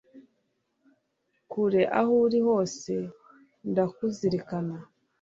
kure aho uri hose ndakuzirikana